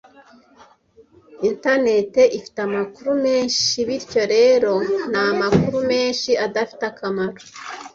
Internet ifite amakuru menshi bityo rero namakuru menshi adafite akamaro.